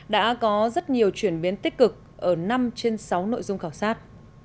đã có rất nhiều chuyển biến tích cực ở năm trên sáu nội dung khảo sát